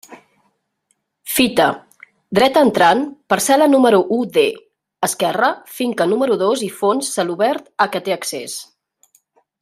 Fita: dreta entrant, parcel·la número u D; esquerra, finca número dos i fons, celobert a què té accés.